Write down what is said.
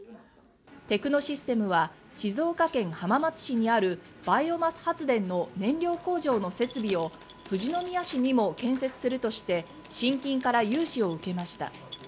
テクノシステムは静岡県浜松市にあるバイオマス発電の燃料工場の設備を富士宮市にも建設するとして信金から融資を受けました。